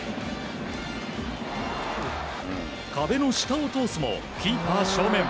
壁の下を通すもキーパー正面。